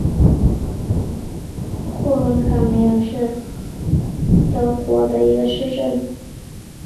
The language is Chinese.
霍亨卡梅尔是德国巴伐利亚州的一个市镇。